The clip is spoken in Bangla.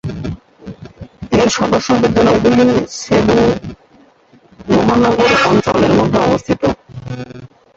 এর সদস্য বিদ্যালয়গুলি সেবু মহানগর অঞ্চলের মধ্যে অবস্থিত।